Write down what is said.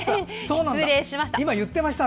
失礼しました。